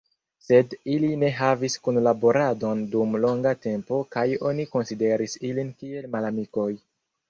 Sed ili ne havis kunlaboradon dum longa tempo kaj oni konsideris ilin kiel malamikoj.